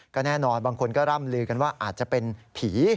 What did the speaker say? ก็แน่นอนบางคนก็ร่ำลือกันว่าอาจจะเป็นผี